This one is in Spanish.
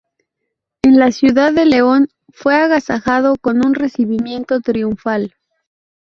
En la ciudad de León fue agasajado con un recibimiento triunfal.